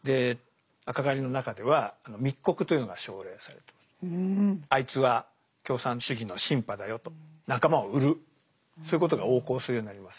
赤狩りの中では「あいつは共産主義のシンパだよ」と仲間を売るそういうことが横行するようになります。